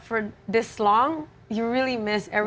menyesal dan anda benar benar belajar